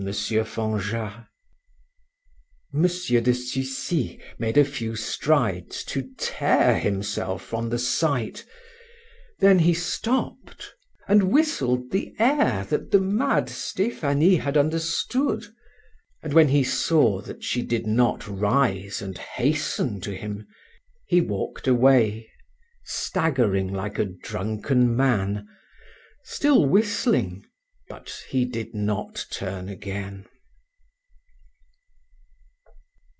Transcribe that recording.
Fanjat. M. de Sucy made a few strides to tear himself from the sight; then he stopped, and whistled the air that the mad Stephanie had understood; and when he saw that she did not rise and hasten to him, he walked away, staggering like a drunken man, still whistling, but he did not turn again.